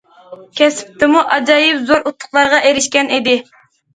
كەسىپتىمۇ ئاجايىپ زور ئۇتۇقلارغا ئېرىشكەن ئىدى.